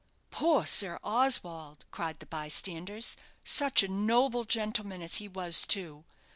"Poor Sir Oswald!" cried the bystanders. "Such a noble gentleman as he was, too.